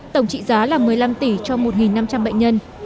tổng trị giá là một mươi năm tỷ cho một năm trăm linh bệnh nhân